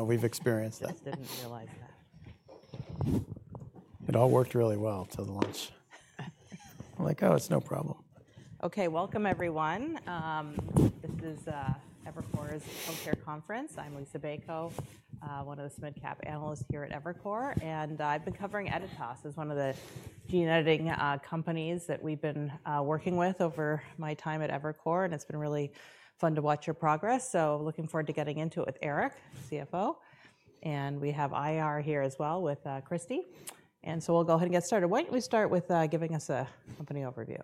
Now we've experienced that. Just didn't realize that. It all worked really well till lunch. I'm like, oh, it's no problem. Okay, welcome everyone. This is Evercore's healthcare conference. I'm Lisa Bayko, one of the SMID cap analysts here at Evercore, and I've been covering Editas as one of the gene editing companies that we've been working with over my time at Evercore, and it's been really fun to watch your progress, so looking forward to getting into it with Erick, CFO. And we have IR here as well with Cristi, and so we'll go ahead and get started. Why don't we start with giving us a company overview?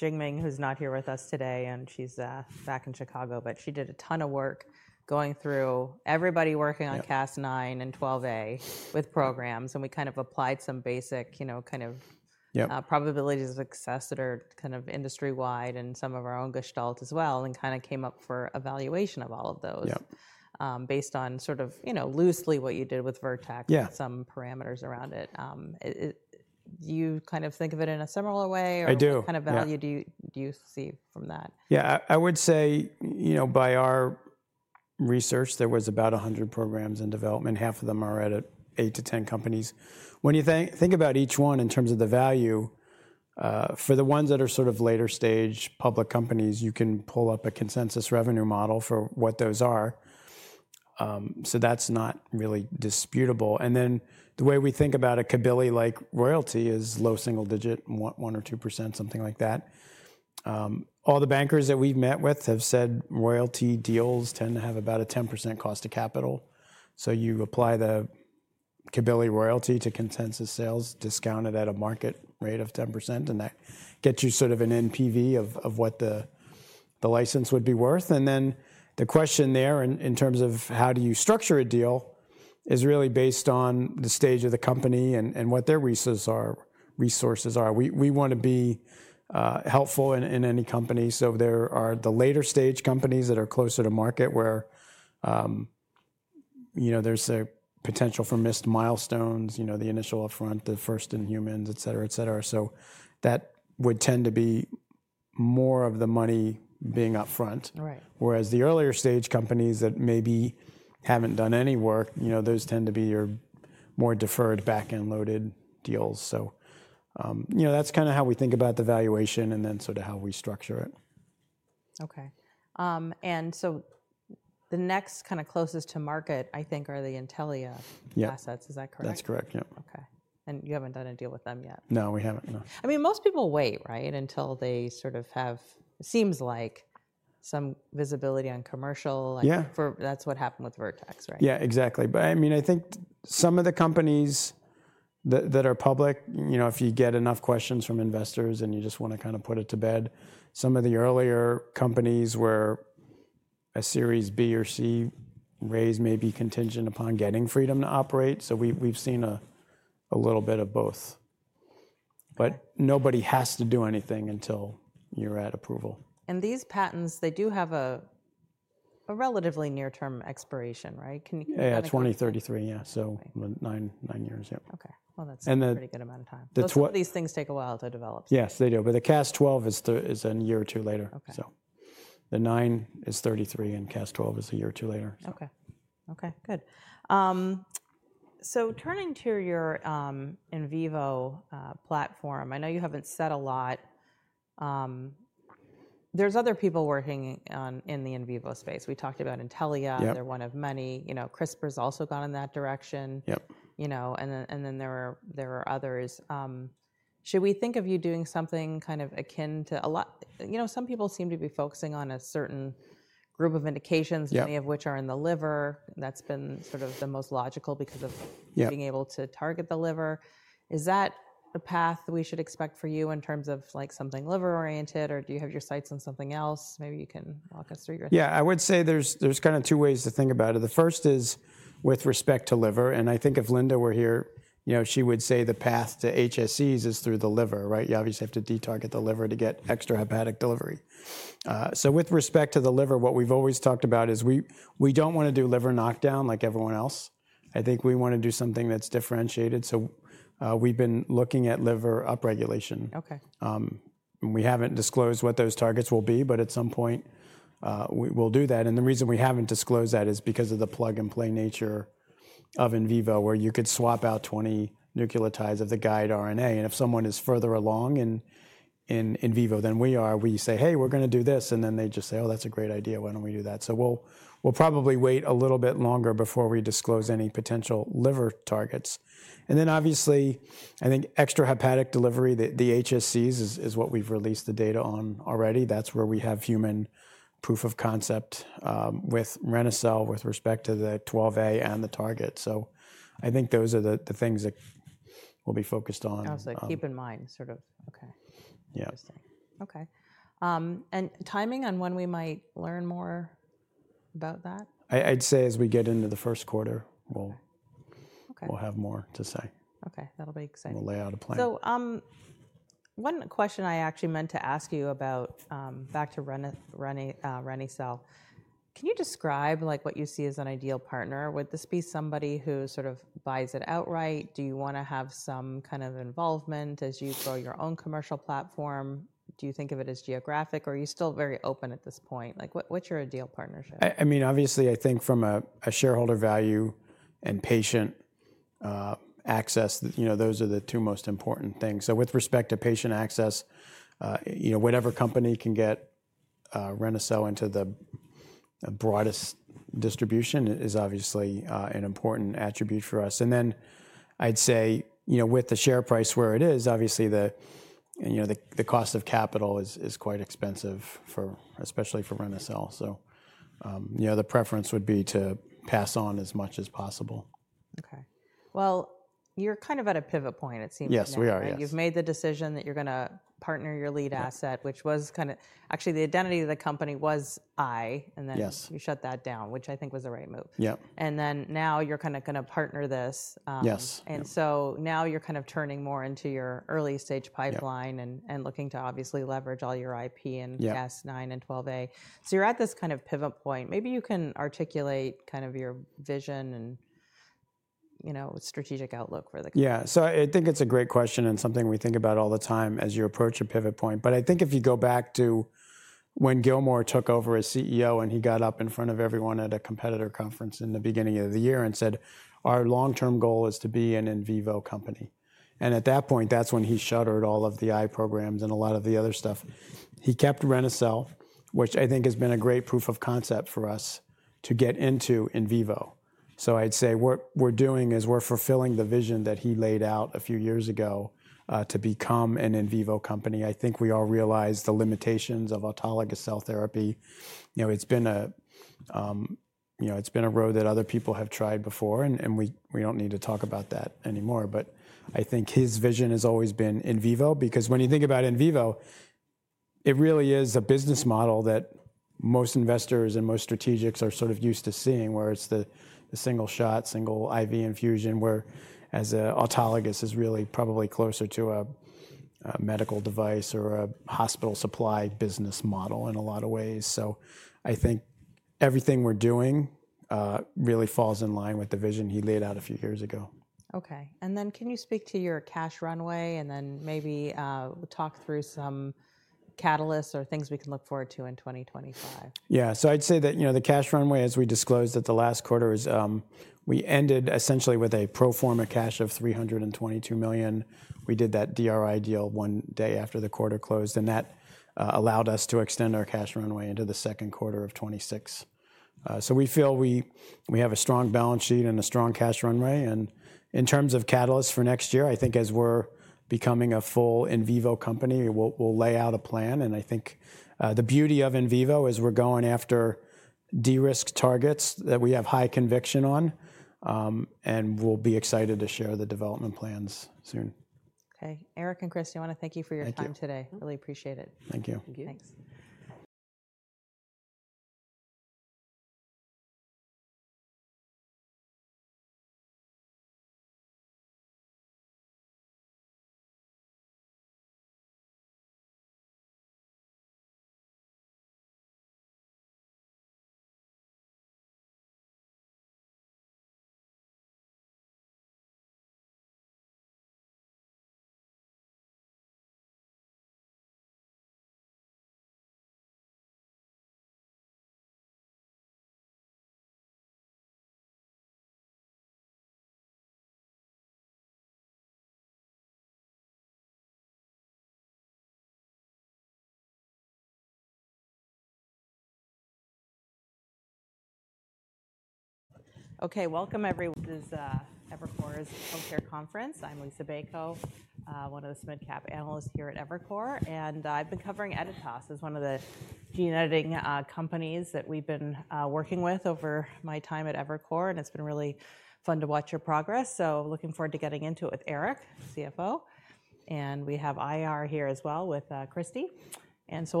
Thank you,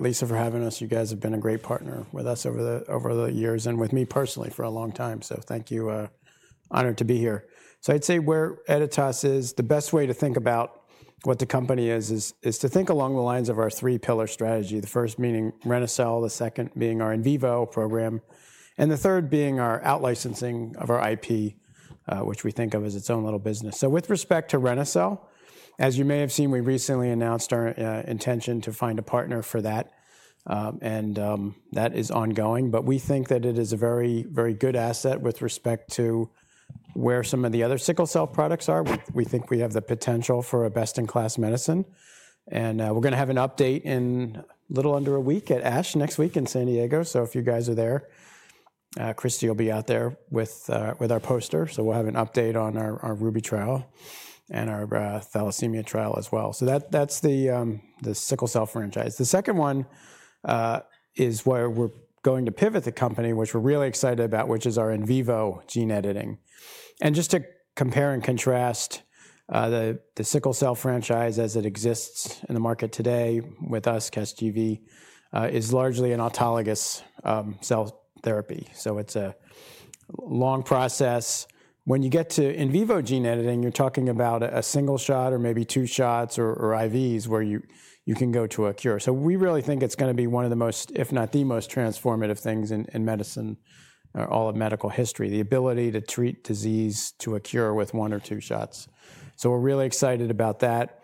Lisa, for having us. You guys have been a great partner with us over the years and with me personally for a long time. So thank you. Honored to be here. So I'd say where Editas is, the best way to think about what the company is, is to think along the lines of our three-pillar strategy. The first meaning reni-cel, the second being our in vivo program, and the third being our outlicensing of our IP, which we think of as its own little business. So with respect to reni-cel, as you may have seen, we recently announced our intention to find a partner for that. And that is ongoing. But we think that it is a very, very good asset with respect to where some of the other sickle cell products are. We think we have the potential for a best-in-class medicine. We're going to have an update in a little under a week at ASH next week in San Diego. If you guys are there, Cristi will be out there with our poster. We'll have an update on our RUBY trial and our thalassemia trial as well. That's the sickle cell franchise. The second one is where we're going to pivot the company, which we're really excited about, which is our in vivo gene editing. Just to compare and contrast, the sickle cell franchise as it exists in the market today with us, Casgevy, is largely an autologous cell therapy. It's a long process. When you get to in vivo gene editing, you're talking about a single shot or maybe two shots or IVs where you can go to a cure. So we really think it's going to be one of the most, if not the most transformative things in medicine, all of medical history, the ability to treat disease to a cure with one or two shots. So we're really excited about that.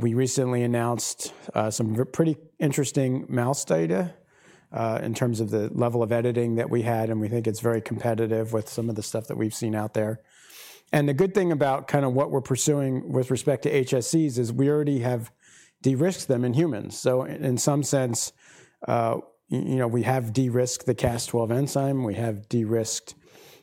We recently announced some pretty interesting mouse data in terms of the level of editing that we had. And we think it's very competitive with some of the stuff that we've seen out there. And the good thing about kind of what we're pursuing with respect to HSCs is we already have de-risked them in humans. So in some sense, we have de-risked the Cas12 enzyme. We have de-risked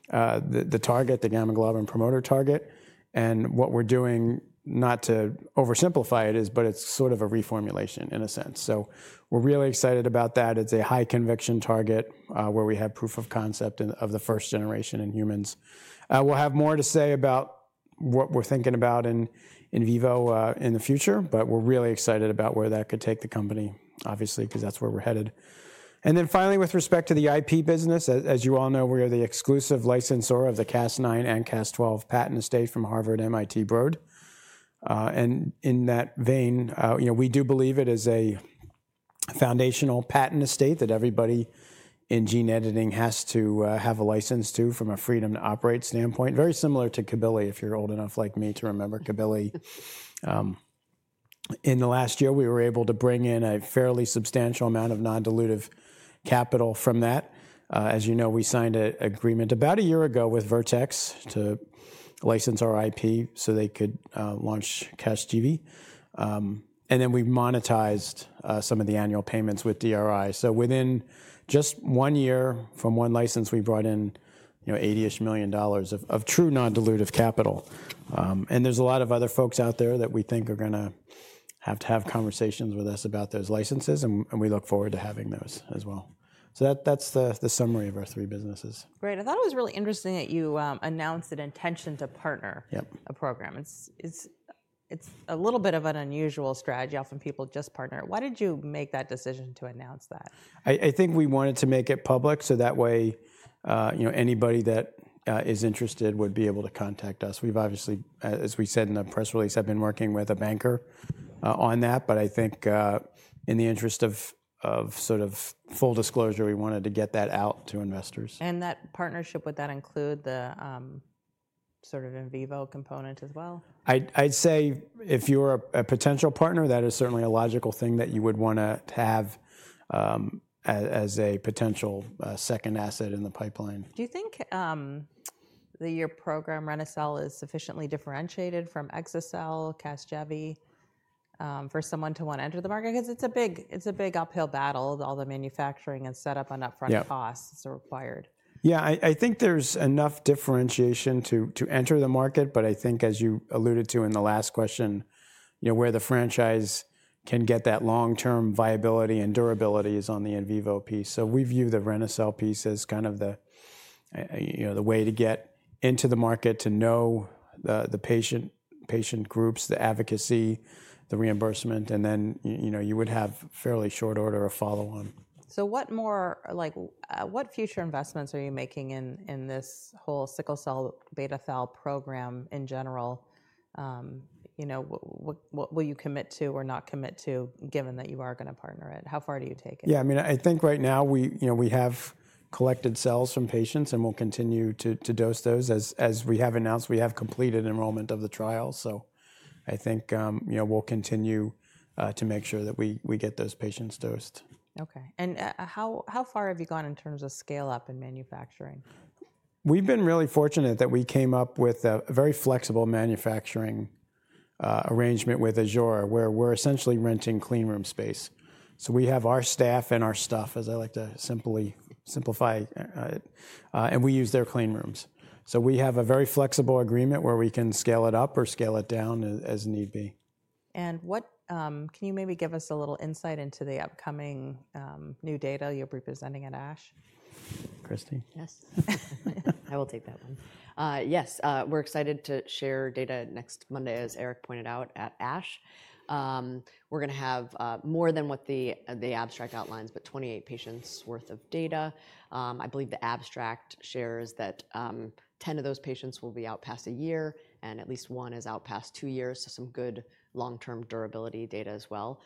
the target, the gamma-globin promoter target. And what we're doing, not to oversimplify it, is but it's sort of a reformulation in a sense. So we're really excited about that. It's a high conviction target where we have proof of concept of the first generation in humans. We'll have more to say about what we're thinking about in vivo in the future. But we're really excited about where that could take the company, obviously, because that's where we're headed. And then finally, with respect to the IP business, as you all know, we are the exclusive licensor of the Cas9 and Cas12 patent estate from Harvard, MIT, Broad. And in that vein, we do believe it is a foundational patent estate that everybody in gene editing has to have a license to from a freedom to operate standpoint, very similar to Cabilly, if you're old enough like me to remember Cabilly. In the last year, we were able to bring in a fairly substantial amount of non-dilutive capital from that. As you know, we signed an agreement about a year ago with Vertex to license our IP so they could launch Casgevy. And then we monetized some of the annual payments with DRI. So within just one year from one license, we brought in $80-ish million of true non-dilutive capital. And there's a lot of other folks out there that we think are going to have to have conversations with us about those licenses. And we look forward to having those as well. So that's the summary of our three businesses. Great. I thought it was really interesting that you announced an intention to partner a program. It's a little bit of an unusual strategy. Often people just partner. Why did you make that decision to announce that? I think we wanted to make it public so that way anybody that is interested would be able to contact us. We've obviously, as we said in the press release, I've been working with a banker on that. But I think in the interest of sort of full disclosure, we wanted to get that out to investors. That partnership would include the sort of in vivo component as well? I'd say if you're a potential partner, that is certainly a logical thing that you would want to have as a potential second asset in the pipeline. Do you think that your program, reni-cel, is sufficiently differentiated from exa-cel, Casgevy for someone to want to enter the market? Because it's a big uphill battle, all the manufacturing and setup and upfront costs that are required. Yeah, I think there's enough differentiation to enter the market. But I think, as you alluded to in the last question, where the franchise can get that long-term viability and durability is on the in vivo piece. So we view the reni-cel piece as kind of the way to get into the market to know the patient groups, the advocacy, the reimbursement. And then you would have fairly short order of follow-on. So what future investments are you making in this whole sickle cell beta thal program in general? What will you commit to or not commit to given that you are going to partner it? How far do you take it? Yeah, I mean, I think right now we have collected cells from patients and we'll continue to dose those. As we have announced, we have completed enrollment of the trial, so I think we'll continue to make sure that we get those patients dosed. Okay, and how far have you gone in terms of scale-up in manufacturing? We've been really fortunate that we came up with a very flexible manufacturing arrangement with Azzur where we're essentially renting cleanroom space. So we have our staff and our stuff, as I like to simply simplify, and we use their cleanrooms. So we have a very flexible agreement where we can scale it up or scale it down as need be. Can you maybe give us a little insight into the upcoming new data you'll be presenting at ASH? Cristi? Yes. I will take that one. Yes, we're excited to share data next Monday, as Erick pointed out, at ASH. We're going to have more than what the abstract outlines, but 28 patients' worth of data. I believe the abstract shares that 10 of those patients will be out past a year and at least one is out past two years. So some good long-term durability data as well.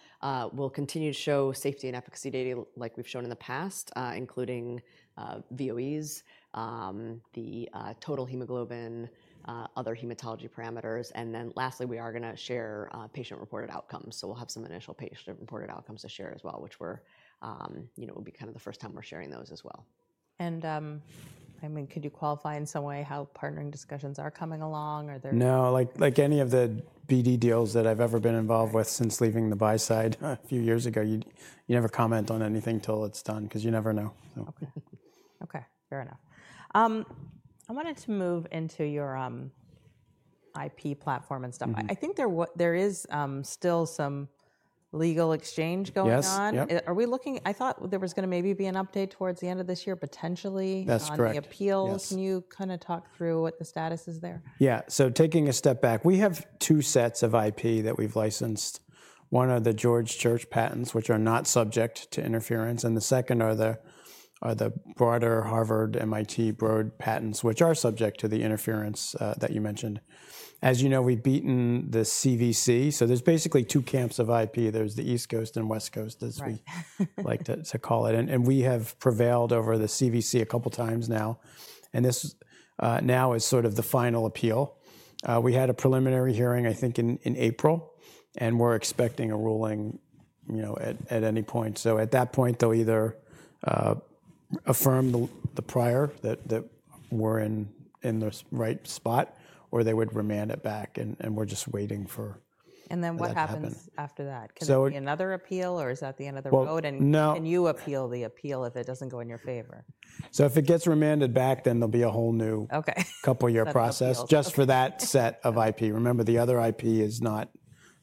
We'll continue to show safety and efficacy data like we've shown in the past, including VOEs, the total hemoglobin, other hematology parameters. And then lastly, we are going to share patient-reported outcomes. So we'll have some initial patient-reported outcomes to share as well, which will be kind of the first time we're sharing those as well. I mean, could you qualify in some way how partnering discussions are coming along? No. Like any of the BD deals that I've ever been involved with since leaving the buy side a few years ago, you never comment on anything until it's done because you never know. Okay. Okay, fair enough. I wanted to move into your IP platform and stuff. I think there is still some legal exchange going on. Are we looking? I thought there was going to maybe be an update towards the end of this year, potentially. That's correct. On the appeals. Can you kind of talk through what the status is there? Yeah. So taking a step back, we have two sets of IP that we've licensed. One are the George Church patents, which are not subject to interference. And the second are the broader Harvard MIT Broad patents, which are subject to the interference that you mentioned. As you know, we've beaten the CVC. So there's basically two camps of IP. There's the East Coast and West Coast, as we like to call it. And we have prevailed over the CVC a couple of times now. And this now is sort of the final appeal. We had a preliminary hearing, I think, in April. And we're expecting a ruling at any point. So at that point, they'll either affirm the prior that we're in the right spot or they would remand it back. And we're just waiting for. Then what happens after that? Can there be another appeal or is that the end of the road? No. You appeal the appeal if it doesn't go in your favor? So if it gets remanded back, then there'll be a whole new couple-year process just for that set of IP. Remember, the other IP is not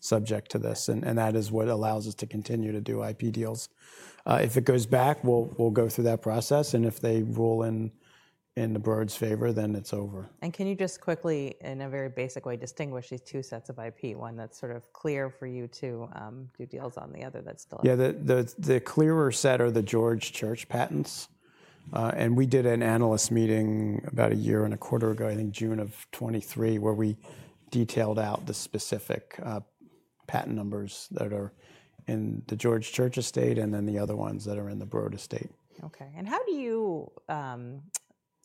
subject to this. And that is what allows us to continue to do IP deals. If it goes back, we'll go through that process. And if they rule in the Broad's favor, then it's over. Can you just quickly, in a very basic way, distinguish these two sets of IP? One that's sort of clear for you to do deals on, the other that's still? Yeah, the clearer set are the George Church patents, and we did an analyst meeting about a year and a quarter ago, I think June of 2023, where we detailed out the specific patent numbers that are in the George Church estate and then the other ones that are in the Broad estate. Okay. And how do you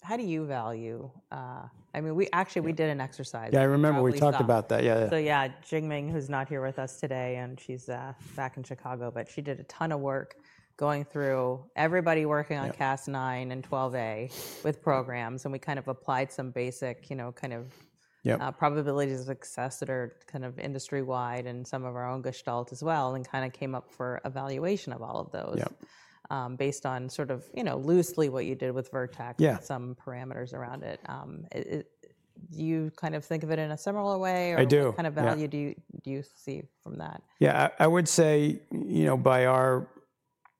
value? I mean, actually, we did an exercise. Yeah, I remember we talked about that. Yeah. So yeah, Jingming, who's not here with us today, but she's back in Chicago, and she did a ton of work going through everybody working on Cas9 and 12a with programs, and we kind of applied some basic kind of probabilities of success that are kind of industry-wide and some of our own gestalt as well and kind of came up for evaluation of all of those based on sort of loosely what you did with Vertex and some parameters around it. Do you kind of think of it in a similar way? I do. What kind of value do you see from that? Yeah, I would say by our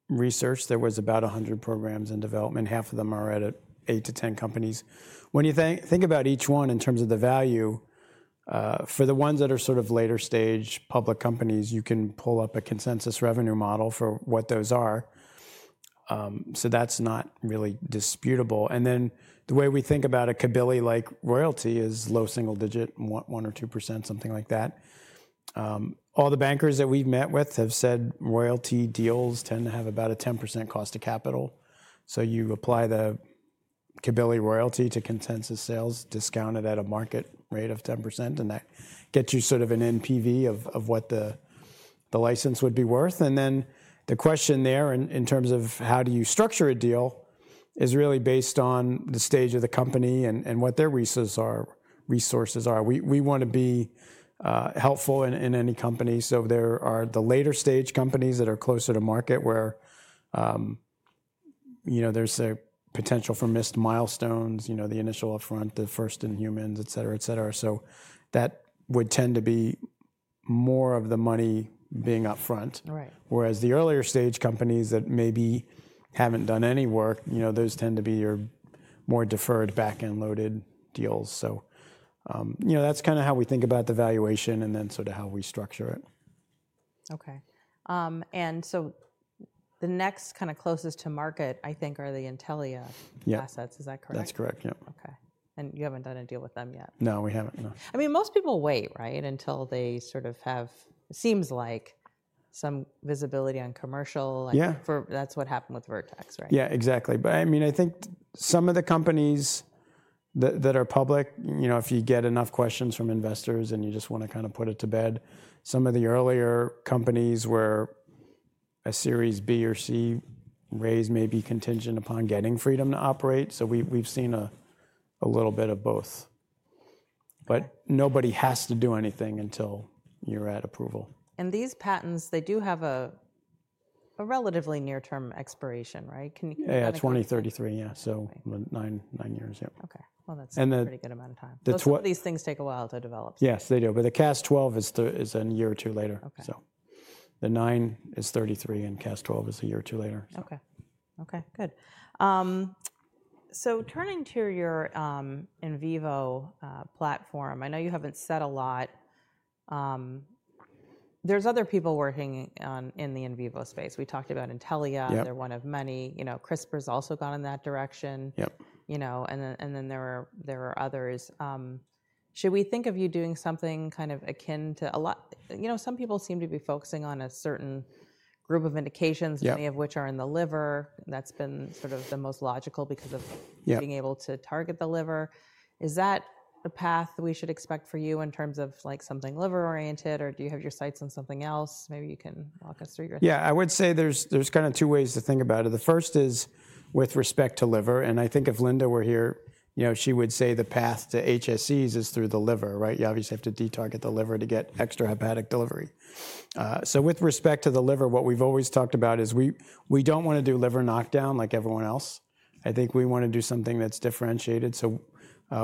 research, there was about 100 programs in development. Half of them are at 8-10 companies. When you think about each one in terms of the value, for the ones that are sort of later stage public companies, you can pull up a consensus revenue model for what those are. So that's not really disputable. And then the way we think about a Cabilly-like royalty is low single digit, 1% or 2%, something like that. All the bankers that we've met with have said royalty deals tend to have about a 10% cost of capital. So you apply the Cabilly royalty to consensus sales, discount it at a market rate of 10%. And that gets you sort of an NPV of what the license would be worth. And then the question there in terms of how do you structure a deal is really based on the stage of the company and what their resources are. We want to be helpful in any company. So there are the later stage companies that are closer to market where there's a potential for missed milestones, the initial upfront, the first in humans, et cetera, et cetera. So that would tend to be more of the money being upfront. Whereas the earlier stage companies that maybe haven't done any work, those tend to be your more deferred back-end loaded deals. So that's kind of how we think about the valuation and then sort of how we structure it. Okay. And so the next kind of closest to market, I think, are the Intellia assets. Is that correct? That's correct. Yeah. Okay. And you haven't done a deal with them yet? No, we haven't. No. I mean, most people wait, right, until they sort of have, it seems like, some visibility on commercial. That's what happened with Vertex, right? Yeah, exactly. But I mean, I think some of the companies that are public, if you get enough questions from investors and you just want to kind of put it to bed, some of the earlier companies where a Series B or C raise may be contingent upon getting freedom to operate. So we've seen a little bit of both. But nobody has to do anything until you're at approval. These patents, they do have a relatively near-term expiration, right? Yeah, 2033. Yeah. So nine years. Yeah. Okay. Well, that's a pretty good amount of time. These things take a while to develop. Yes, they do. But the Cas12 is a year or two later. So the 9 is '33 and Cas12 is a year or two later. Okay. Okay, good. So turning to your in vivo platform, I know you haven't said a lot. There's other people working in the in vivo space. We talked about Intellia. They're one of many. CRISPR has also gone in that direction. And then there are others. Should we think of you doing something kind of akin to some people seem to be focusing on a certain group of indications, many of which are in the liver. That's been sort of the most logical because of being able to target the liver. Is that a path we should expect for you in terms of something liver-oriented? Or do you have your sights on something else? Maybe you can walk us through your thoughts. Yeah, I would say there's kind of two ways to think about it. The first is with respect to liver. And I think if Linda were here, she would say the path to HSCs is through the liver, right? You obviously have to detarget the liver to get extra-hepatic delivery. So with respect to the liver, what we've always talked about is we don't want to do liver knockdown like everyone else. I think we want to do something that's differentiated. So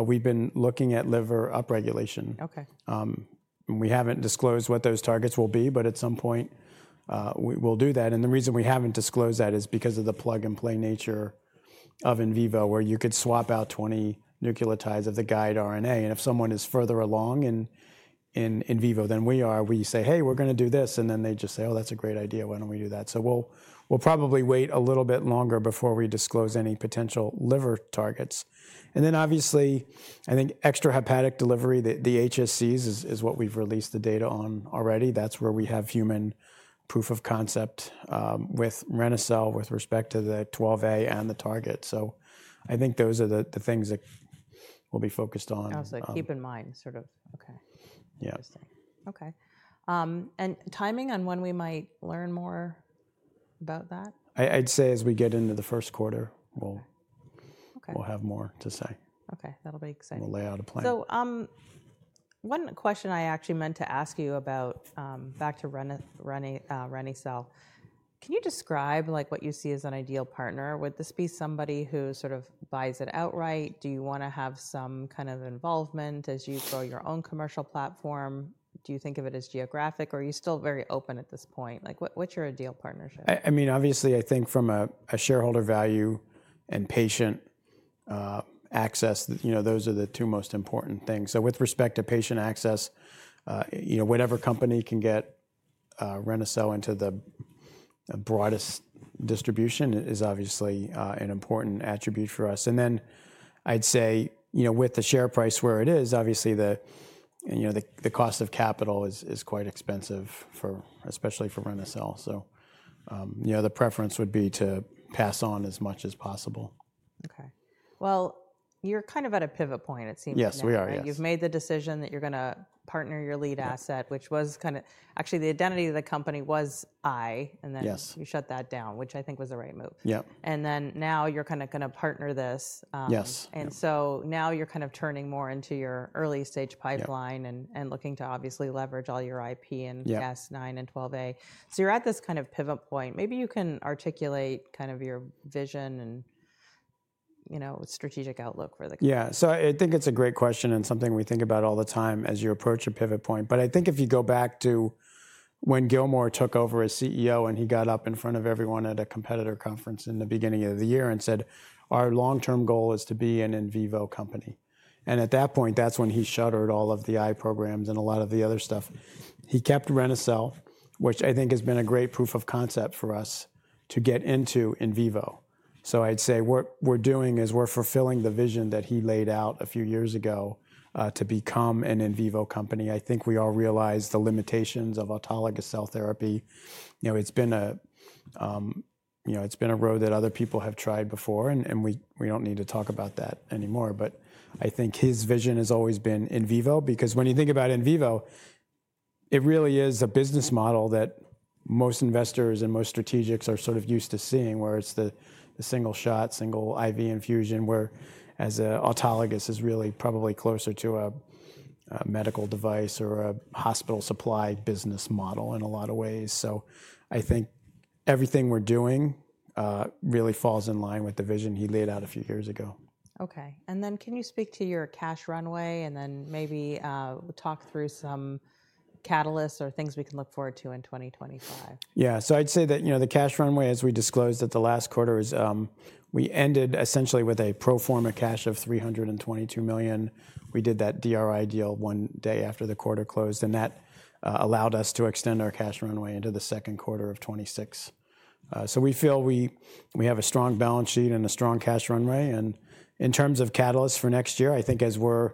we've been looking at liver upregulation. We haven't disclosed what those targets will be, but at some point, we'll do that. And the reason we haven't disclosed that is because of the plug-and-play nature of in vivo, where you could swap out 20 nucleotides of the guide RNA. And if someone is further along in vivo than we are, we say, "Hey, we're going to do this." And then they just say, "Oh, that's a great idea. Why don't we do that?" So we'll probably wait a little bit longer before we disclose any potential liver targets. And then obviously, I think extra-hepatic delivery, the HSCs is what we've released the data on already. That's where we have human proof of concept with reni-cel with respect to the 12a and the target. So I think those are the things that we'll be focused on. Okay. Interesting. Okay. Timing on when we might learn more about that? I'd say as we get into the first quarter, we'll have more to say. Okay. That'll be exciting. We'll lay out a plan. So one question I actually meant to ask you about back to reni-cel. Can you describe what you see as an ideal partner? Would this be somebody who sort of buys it outright? Do you want to have some kind of involvement as you grow your own commercial platform? Do you think of it as geographic? Or are you still very open at this point? What's your ideal partnership? I mean, obviously, I think from a shareholder value and patient access, those are the two most important things. So with respect to patient access, whatever company can get reni-cel into the broadest distribution is obviously an important attribute for us. And then I'd say with the share price where it is, obviously, the cost of capital is quite expensive, especially for reni-cel. So the preference would be to pass on as much as possible. Okay, well, you're kind of at a pivot point, it seems to me. Yes, we are. Yes. You've made the decision that you're going to partner your lead asset, which was kind of actually the identity of the company was eye, and then you shut that down, which I think was the right move. Yeah. Now you're kind of going to partner this. Yes. And so now you're kind of turning more into your early stage pipeline and looking to obviously leverage all your IP in Cas9 and 12a. So you're at this kind of pivot point. Maybe you can articulate kind of your vision and strategic outlook for the company. Yeah. So I think it's a great question and something we think about all the time as you approach a pivot point. But I think if you go back to when Gilmore took over as CEO and he got up in front of everyone at a competitor conference in the beginning of the year and said, "Our long-term goal is to be an in vivo company." And at that point, that's when he shuttered all of the ex vivo programs and a lot of the other stuff. He kept reni-cel, which I think has been a great proof of concept for us to get into in vivo. So I'd say what we're doing is we're fulfilling the vision that he laid out a few years ago to become an in vivo company. I think we all realize the limitations of autologous cell therapy. It's been a road that other people have tried before, and we don't need to talk about that anymore. But I think his vision has always been in vivo. Because when you think about in vivo, it really is a business model that most investors and most strategics are sort of used to seeing, where it's the single shot, single IV infusion, whereas autologous is really probably closer to a medical device or a hospital supply business model in a lot of ways. So I think everything we're doing really falls in line with the vision he laid out a few years ago. Okay. And then can you speak to your cash runway and then maybe talk through some catalysts or things we can look forward to in 2025? Yeah. So I'd say that the cash runway, as we disclosed at the last quarter, we ended essentially with a pro forma cash of $322 million. We did that DRI deal one day after the quarter closed. And that allowed us to extend our cash runway into the second quarter of 2026. So we feel we have a strong balance sheet and a strong cash runway. And in terms of catalysts for next year, I think as we're